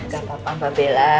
gak apa apa mbak bela